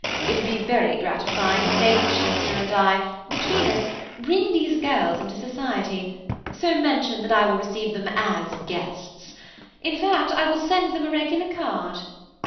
It will be very gratifying if Lady Chester and I, between us, bring these girls into society; so mention that I will receive them as guests; in fact, I will send them a regular card."